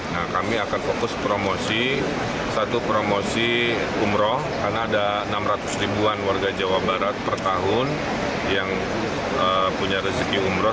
nah kami akan fokus promosi satu promosi umroh karena ada enam ratus ribuan warga jawa barat per tahun yang punya rezeki umroh